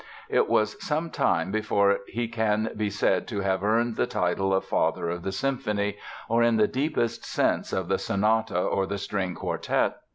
It was some time before he can be said to have earned the title of "father of the symphony" (or, in the deepest sense, of the sonata or the string quartet).